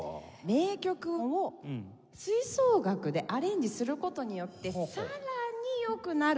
名曲を吹奏楽でアレンジする事によってさらに良くなる。